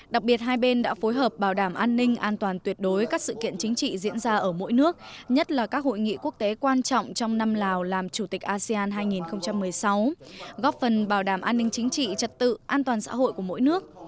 đặc biệt hai bên đã phối hợp bảo đảm an ninh an toàn tuyệt đối các sự kiện chính trị diễn ra ở mỗi nước nhất là các hội nghị quốc tế quan trọng trong năm lào làm chủ tịch asean hai nghìn một mươi sáu góp phần bảo đảm an ninh chính trị trật tự an toàn xã hội của mỗi nước